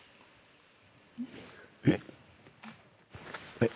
えっ？